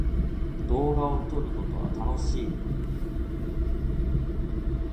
動画を撮ることは楽しい。